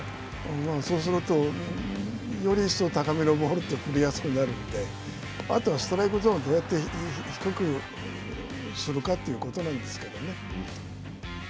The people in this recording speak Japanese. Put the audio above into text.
そうすると、より一層、高めのボールって振りやすくなるので、あとはストライクゾーンをどうやって低くするかということなんですけどね。